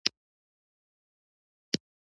بې غیرته خلک د خپل مرګ څخه مخکې.